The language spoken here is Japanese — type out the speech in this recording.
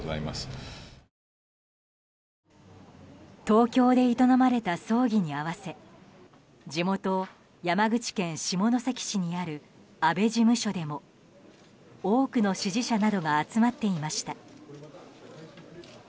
東京で営まれた葬儀に合わせ地元・山口県下関市にある安倍事務所でも多くの支持者などが集まっていました。